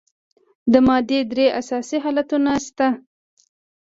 د مادې درې اساسي حالتونه شته.